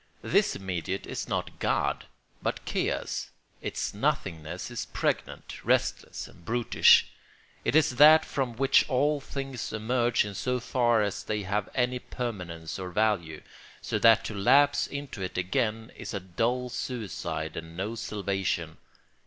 This immediate is not God but chaos; its nothingness is pregnant, restless, and brutish; it is that from which all things emerge in so far as they have any permanence or value, so that to lapse into it again is a dull suicide and no salvation.